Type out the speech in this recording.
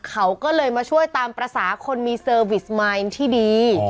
เขาก็เลยมาช่วยตามภาษาคนมีเซอร์วิสไมค์ที่ดี